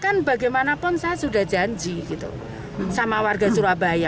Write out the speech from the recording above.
kan bagaimanapun saya sudah janji gitu sama warga surabaya